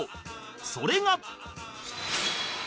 それが